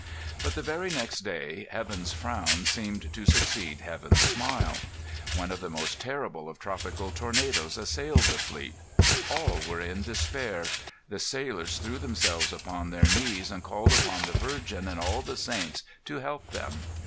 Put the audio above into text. But the very next day, heaven's frown seemed to succeed heaven's smile. One of the most terrible of tropical tornadoes assailed the fleet. All were in despair. The sailors threw themselves upon their knees, and called upon the Virgin and all the saints to help them.